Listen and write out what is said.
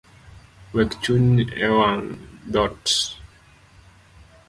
Wekchung’ ewang’ dhoot.